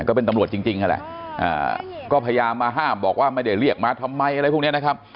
ก็เป็นตำรวจจริงนั่นแหละก็พยายามมาห้ามบอกว่าไม่ได้เรียกมาทำไมอะไรพวกนี้นะครับ